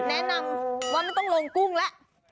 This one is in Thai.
แนะนำว่าไม่ต้องลงกุ้งแล้ว